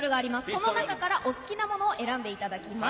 その中からお好きなものを選んでいただきます。